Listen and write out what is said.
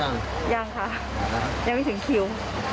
ยังยังค่ะยังไม่ถึงคิว